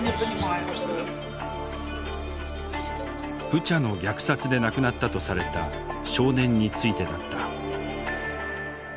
ブチャの虐殺で亡くなったとされた少年についてだった。